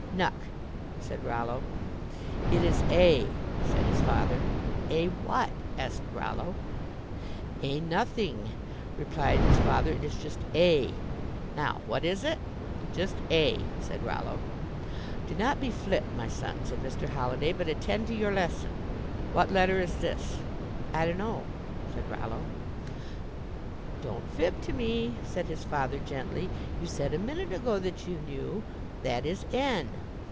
"Nuck," said Rollo. "It is A," said his father. "A what?" asked Rollo. "A nothing," replied his father, "it is just A. Now, what is it?" "Just A," said Rollo. "Do not be flip, my son," said Mr. Holliday, "but attend to your lesson. What letter is this?" "I dunno," said Rollo. "Don't fib to me," said his father, gently, "you said a minute ago that you knew. That is N."